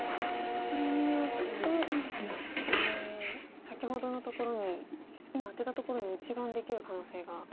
これによって先ほどのところに今アテたところに１眼できる可能性が。